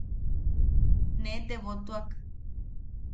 Nee tebotuak.